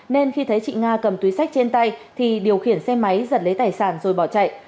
nên khi thấy chị nga cầm túi sách trên tay thì điều khiển xe máy giật lấy tài sản rồi bỏ chạy